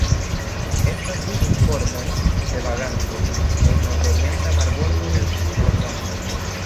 Estas du informoj de vagantoj el nordorienta marbordo de Nordameriko.